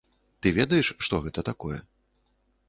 Ты ведаеш, што гэта такое?